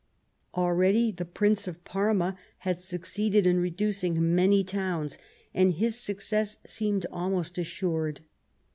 Already the Prince of Parma had succeeded in reducing many towns, and his success seemed almost assured.